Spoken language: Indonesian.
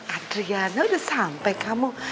adriana udah sampai kamu